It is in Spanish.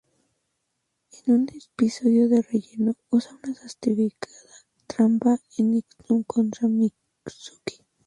En un episodio del relleno usa una sofisticada trampa de ninjutsu contra Mizuki.